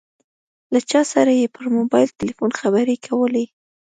له چا سره یې پر موبایل ټیلیفون خبرې کولې.